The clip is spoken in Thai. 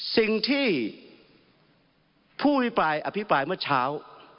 สิ่งที่ผู้อภิปรายอภิปรายเมื่อเช้า